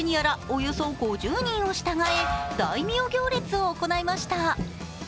およそ５０人を従え大名行列を行いました。